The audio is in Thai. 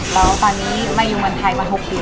แล้วตอนนี้มายุมันไทยมา๖ปี